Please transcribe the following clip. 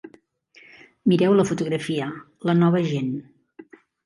Mireu la fotografia, La nova gent.